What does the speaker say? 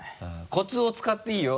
コツを使っていいよ